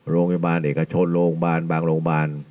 โรงพยาบาลเอกชนโรงพยาบาลบางโรงพยาบาล